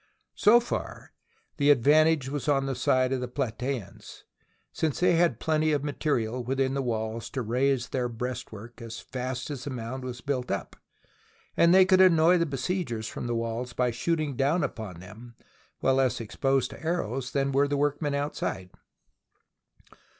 So far the advantage was on the side of the Platseans, since they had plenty of material within the walls to raise their breastwork as fast as the mound was built up, and they could annoy the be THE BOOK OF FAMOUS SIEGES siegers from the walls by shooting down upon them, while less exposed to arrows than were the work men outside.